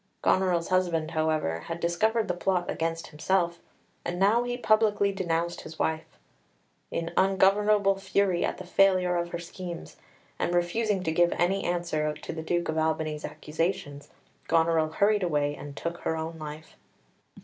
Goneril's husband, however, had discovered the plot against himself, and now he publicly denounced his wife. In ungovernable fury at the failure of her schemes, and refusing to give any answer to the Duke of Albany's accusations, Goneril hurried away, and took her own life.